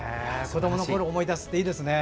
子どものころを思い出すっていいですね。